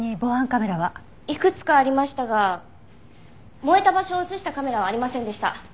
いくつかありましたが燃えた場所を映したカメラはありませんでした。